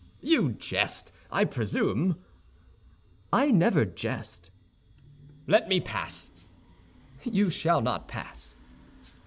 "You jest, I presume." "I never jest." "Let me pass!" "You shall not pass."